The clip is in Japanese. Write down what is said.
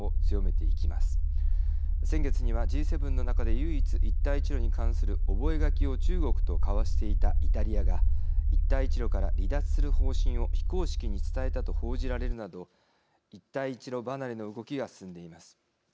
先月にはＧ７の中で唯一一帯一路に関する覚書を中国と交わしていたイタリアが一帯一路から離脱する方針を非公式に伝えたと報じられるなど一帯一路離れの動きが進んでいます。